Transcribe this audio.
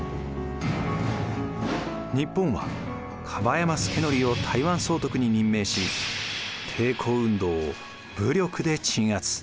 日本は樺山資紀を台湾総督に任命し抵抗運動を武力で鎮圧。